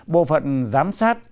bộ phận giám sát